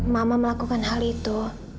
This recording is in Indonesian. mama melakukan hal itu